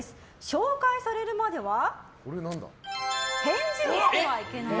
紹介されるまでは返事をしてはいけない！